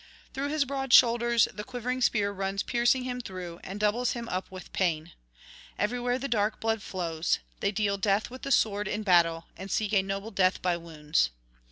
Through his broad shoulders the quivering spear runs piercing him through, and doubles him up with pain. Everywhere the dark blood flows; they deal death with the sword in battle, and seek a noble death by wounds.